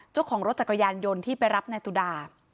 เจ้าของรถจักรยานยนต์ที่ไปรับนายตุดา